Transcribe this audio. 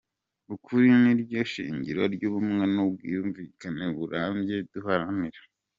Ukuri ni ryo shingiro ry’ubumwe n’ubwumvikane burambye duharanira.